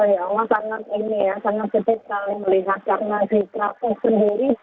ya allah sangat ini ya sangat sedih sekali melihat karena di krakow sendiri banyak